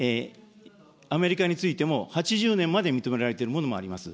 アメリカについても８０年まで認められているものもあります。